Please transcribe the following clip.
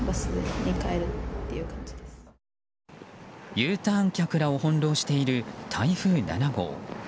Ｕターン客らを翻弄している台風７号。